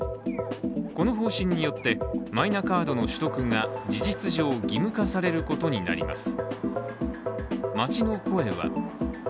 この方針によってマイナカードの取得が事実上義務化されることになります。